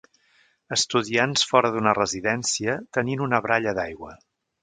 Estudiants fora d'una residència tenint una baralla d'aigua.